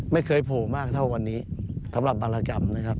โผล่มากเท่าวันนี้สำหรับบารกรรมนะครับ